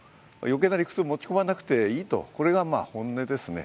余計な理屈を持ち込まなくていいと、これが本音ですね。